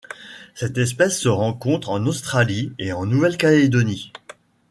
Cette espèce se rencontre en Australie et en Nouvelle-Calédonie.